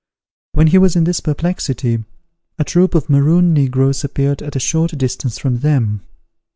When he was in this perplexity, a troop of Maroon negroes appeared at a short distance from them.